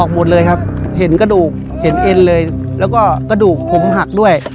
กระดูกผมหักด้วย